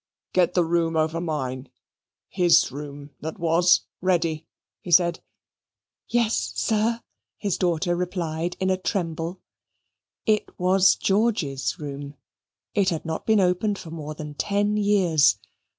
"Get the room over mine his room that was ready," he said. "Yes, sir," his daughter replied in a tremble. It was George's room. It had not been opened for more than ten years.